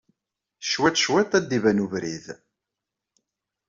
Cwiṭ cwiṭ ad d-iban ubrid.